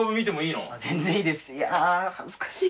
全然いいです。